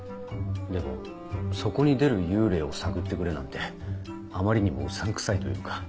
でもそこに出る幽霊を探ってくれなんてあまりにもうさんくさいというか。